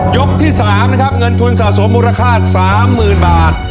ยกที่สามนะครับเงินทุนสะสมมูลค่าสามหมื่นบาท